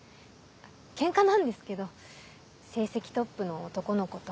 ケンカなんですけど成績トップの男の子と。